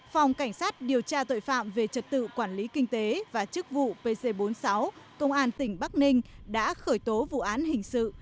phòng cảnh sát điều tra tội phạm về trật tự quản lý kinh tế và chức vụ pc bốn mươi sáu công an tỉnh bắc ninh đã khởi tố vụ án hình sự